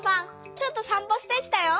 ちょっとさんぽしてきたよ。